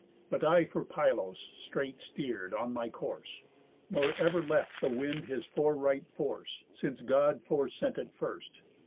But I for Pylos straight steer'd on my course; Nor ever left the wind his foreright force, Since God fore sent it first.